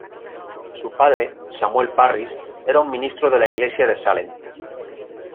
Su padre, Samuel Parris, era un ministro de la Iglesia de Salem.